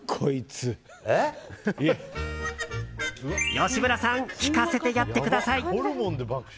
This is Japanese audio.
吉村さん聞かせてやってください。